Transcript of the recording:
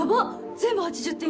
全部８０点以上。